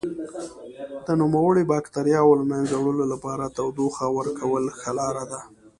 د نوموړو بکټریاوو له منځه وړلو لپاره تودوخه ورکول ښه لاره ده.